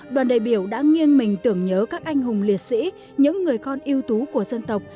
đoàn đại biểu đã nghiêng mình tưởng nhớ các anh hùng liệt sĩ những người con yêu tú của dân tộc